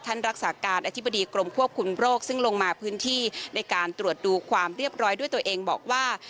รักษาการอธิบดีกรมควบคุมโรคซึ่งลงมาพื้นที่ในการตรวจดูความเรียบร้อยด้วยตัวเองบอกว่า